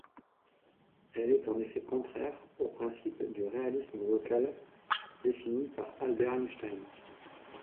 Elle est en effet contraire au principe de réalisme local défini par Albert Einstein.